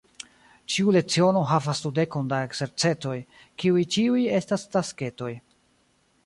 Ĉiu leciono havas dudekon da ekzercetoj, kiuj ĉiuj estas tasketoj.